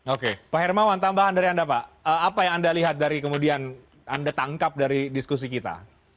oke pak hermawan tambahan dari anda pak apa yang anda lihat dari kemudian anda tangkap dari diskusi kita